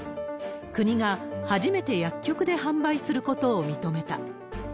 国が初めて薬局で販売することを認めた。